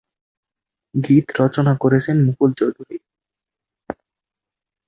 গীত রচনা করেছেন মুকুল চৌধুরী।